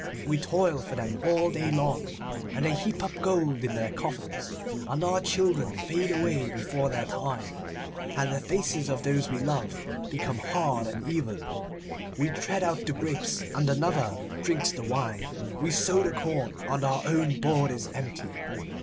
We toil for them all day long, and they heap up gold in their coffers, and our children fade away before their time, and the faces of those we love become hard and evil. We tread out the grapes, and another drinks the wine. We sow the corn, and our own board is empty.